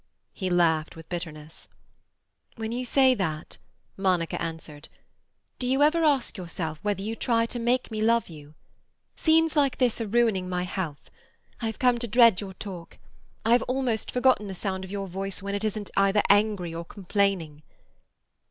He laughed with bitterness. "When you say that," Monica answered, "do you ever ask yourself whether you try to make me love you? Scenes like this are ruining my health. I have come to dread your talk. I have almost forgotten the sound of your voice when it isn't either angry or complaining."